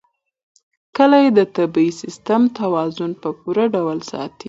کلي د طبعي سیسټم توازن په پوره ډول ساتي.